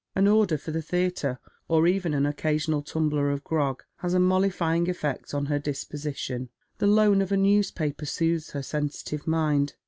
An order for the theatre, or even an occasional tumbler of gi'og has a mollifying effect on her disposi tion ; the loan of a newspaper soothes her sensitive mind.